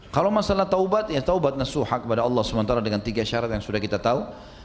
kalau masalah taubat ya taubat nasuhak kepada allah sementara dengan tiga syarat yang sudah kita tahu